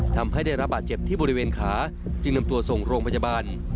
ทำให้ได้รับบาดเจ็บที่บริเวณขาจึงนำตัวส่งโรงพยาบาล